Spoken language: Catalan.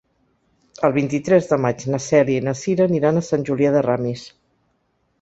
El vint-i-tres de maig na Cèlia i na Cira aniran a Sant Julià de Ramis.